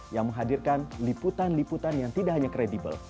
yang menghadirkan liputan liputan yang tidak hanya kredibel